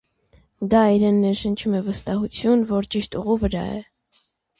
Դա իրեն ներշնչում է վստահություն, որ ճիշտ ուղու վրա է։